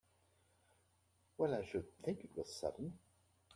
Well I should think it was sudden!